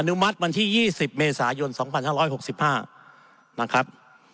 อนุมัติวันที่ยี่สิบเมษายนสองพันห้าร้อยหกสิบห้านะครับ